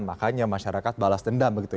makanya masyarakat balas dendam begitu